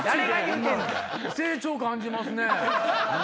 成長感じますね。